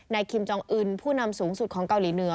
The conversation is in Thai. คิมจองอึนผู้นำสูงสุดของเกาหลีเหนือ